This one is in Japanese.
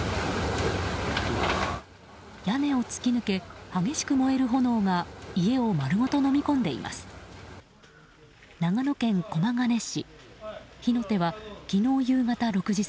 屋根を突き抜け激しく燃える炎が家を丸ごとのみ込んでいます。